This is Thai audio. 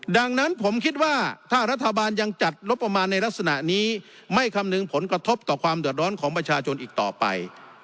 ดังนั้นผมคิดว่าถ้ารัฐบาลยังจัดงบประมาณในลักษณะนี้ไม่คำนึงผลกระทบต่อความเดือดร้อนของประชาชนอีกต่อไป